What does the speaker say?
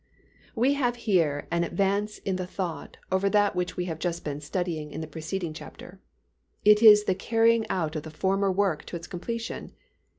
We have here an advance in the thought over that which we have just been studying in the preceding chapter. It is the carrying out of the former work to its completion.